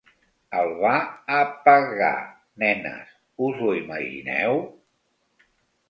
El va a-pa-gar, nenes, us ho imagineu?